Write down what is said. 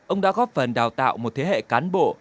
ông đã góp phần đào tạo một thế hệ cán bộ